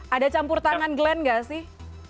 ada campur tangan glenn gak sih